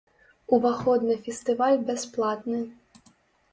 Уваход на фестываль бясплатны.